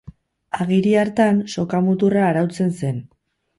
Agiri hartan, soka-muturra arautzen zen.